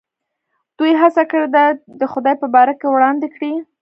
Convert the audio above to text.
دوی هڅه کړې ده د خدای په باره کې وړاندې کړي.